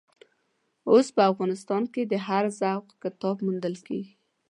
اوس په افغانستان کې د هر ذوق کتاب موندل کېږي.